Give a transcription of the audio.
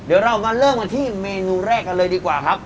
เดี๋ยวเรามาเริ่มกันที่เมนูแรกกันเลยดีกว่าครับ